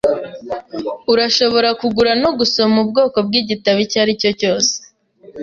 Urashobora kugura no gusoma ubwoko bwigitabo icyo aricyo cyose.